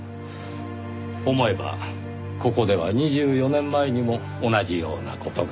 思えばここでは２４年前にも同じような事が。